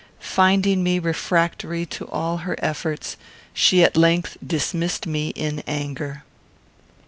Finding me refractory to all her efforts, she at length dismissed me in anger.